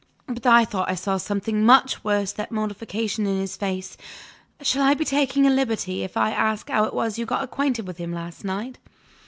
But I thought I saw something much worse than mortification in his face. Shall I be taking a liberty, if I ask how it was you got acquainted with him last night?"